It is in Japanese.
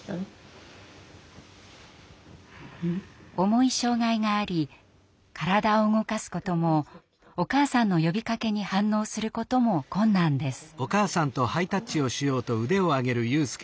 重い障害があり体を動かすこともお母さんの呼びかけに反応することも困難です。